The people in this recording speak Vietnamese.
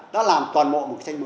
đã làm toàn bộ